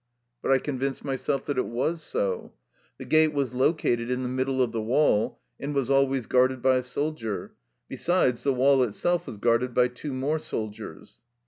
But I convinced myself that it was so. The gate was located in the middle of the wall, and was always guarded by a soldier. Besides, the wall itself was guarded by two more soldiers.